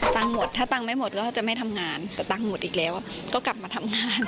หมดถ้าตังค์ไม่หมดก็จะไม่ทำงานแต่ตังค์หมดอีกแล้วก็กลับมาทำงาน